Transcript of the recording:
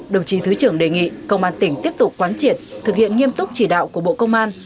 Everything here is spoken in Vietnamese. đồng chí thứ trưởng đề nghị công an tỉnh tiếp tục quán triệt thực hiện nghiêm túc chỉ đạo của bộ công an